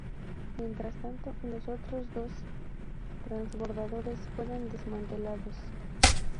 Mientras tanto, los otros dos transbordadores fueron desmantelados.